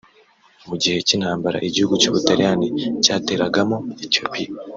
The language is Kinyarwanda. Mu gihe cy’intambara igihugu cy’ubutaliyani cyateragamo Ethiopia